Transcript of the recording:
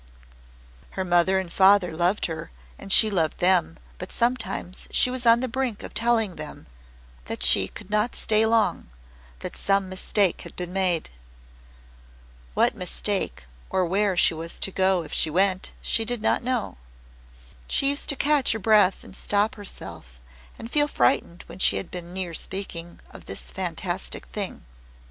Her mother and father loved her and she loved them, but sometimes she was on the brink of telling them that she could not stay long that some mistake had been made. What mistake or where was she to go to if she went, she did not know. She used to catch her breath and stop herself and feel frightened when she had been near speaking of this fantastic thing.